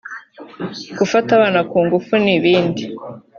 gufata abana ku ngufu n’ibindi